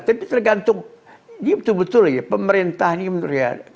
tapi tergantung ini betul betul pemerintah menurut saya